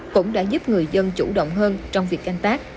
cũng đã giúp người dân chủ động hơn trong việc canh tác